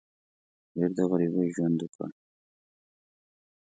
ډېر د غریبۍ ژوند وکړ.